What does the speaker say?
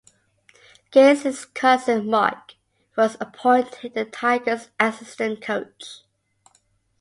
Gaze's cousin, Mark, was appointed the Tigers' assistant coach.